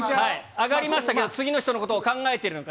上がりましたけど、次の人のことを考えてるのか。